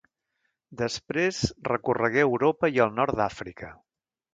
Després recorregué Europa i el nord d'Àfrica.